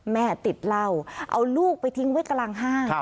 แม่ติดเหล้าเอาลูกไปทิ้งไว้กลางห้าง